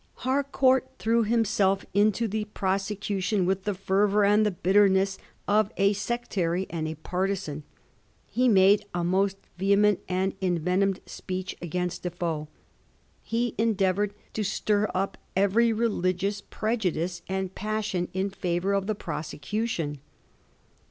Harcourt threw himself into the prosecution with the fervour and the bitter ness of a sectary and a partisan. He made a most vehement and envenomed speech against Defoe ; he endeavoured to stir up every religious prejudice and passion in favour of the prosecution.